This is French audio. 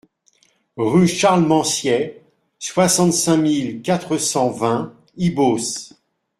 Rue Charles Manciet, soixante-cinq mille quatre cent vingt Ibos